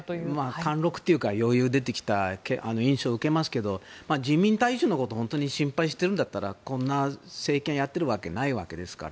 貫禄というか余裕が出てきた印象を受けますが人民大衆のことを本当に心配しているならこんな政権やっているわけがないですから。